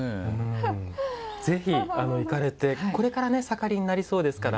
ぜひ、行かれて、これから盛りになりそうですから。